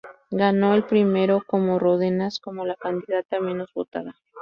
Ganó el primero, con Ródenas como la candidata menos votada.